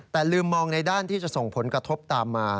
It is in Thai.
แต่ลืมมองในด้านที่จะส่งผลกระทบตามมา